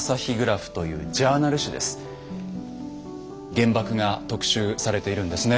原爆が特集されているんですね。